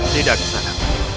tidak di sana